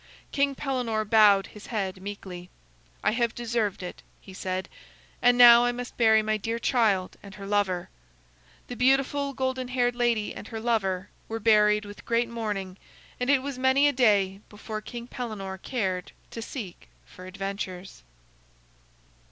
King Pellenore bowed his head meekly. "I have deserved it," he said. "And now I must bury my dear child and her lover." The beautiful golden haired lady and her lover were buried with great mourning, and it was many a day before King Pellenore cared to seek for adventures.